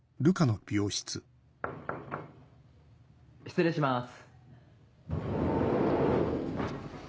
・失礼します